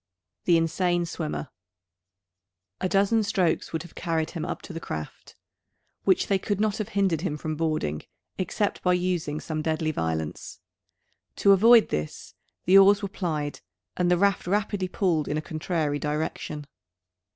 THE INSANE SWIMMER. A dozen strokes would have carried him up to the craft; which they could not have hindered him from boarding, except by using some deadly violence. To avoid this, the oars were plied; and the raft rapidly pulled in a contrary direction.